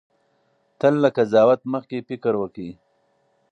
تل له قضاوت مخکې فکر وکړئ.